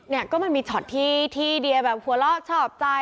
เนี่ยก็มันมีช็อตที่เดียแบบหัวเราะชอบใจ